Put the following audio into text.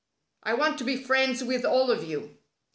I want to be friends with all of you."